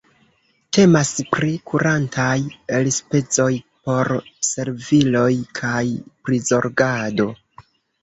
Temas pri kurantaj elspezoj por serviloj kaj prizorgado.